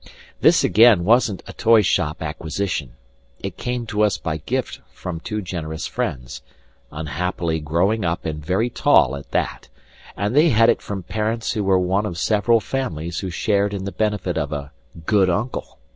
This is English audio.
This, again, wasn't a toy shop acquisition. It came to us by gift from two generous friends, unhappily growing up and very tall at that; and they had it from parents who were one of several families who shared in the benefit of a Good Uncle.